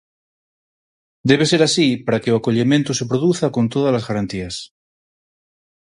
Debe ser así para que o acollemento se produza con todas as garantías.